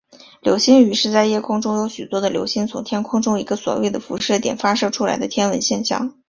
流星雨是在夜空中有许多的流星从天空中一个所谓的辐射点发射出来的天文现象。